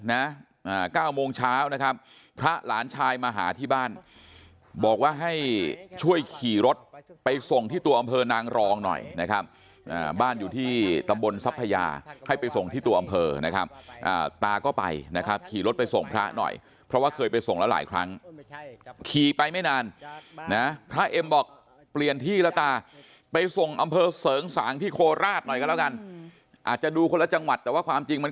นะอ่าเก้าโมงเช้านะครับพระหลานชายมาหาที่บ้านบอกว่าให้ช่วยขี่รถไปส่งที่ตัวอำเภอนางรองหน่อยนะครับอ่าบ้านอยู่ที่ตำบลทรัพยาให้ไปส่งที่ตัวอำเภอนะครับตาก็ไปนะครับขี่รถไปส่งพระหน่อยเพราะว่าเคยไปส่งแล้วหลายครั้งขี่ไปไม่นานนะพระเอ็มบอกเปลี่ยนที่แล้วตาไปส่งอำเภอเสริงสางที่โคราชหน่อยก็แล้วกันอาจจะดูคนละจังหวัดแต่ว่าความจริงมัน